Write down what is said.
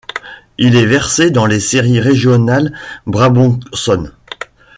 Il est versé dans les séries régionales brabançonne.